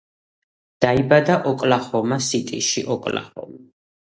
დაიბადა ოკლაჰომა სიტიში, ოკლაჰომა.